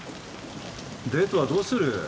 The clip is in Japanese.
デートはどうする？